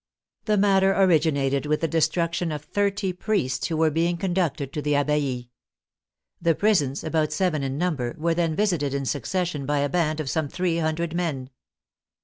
The matter originated 44 THE FRENCH REVOLUTION with the destruction of thirty priests who were being con ducted to the Abbaye. The prisons, about seven in num ber, were then visited in succession by a band of some three hundred men.